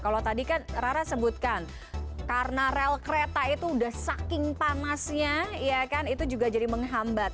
kalau tadi kan rara sebutkan karena rel kereta itu udah saking panasnya ya kan itu juga jadi menghambat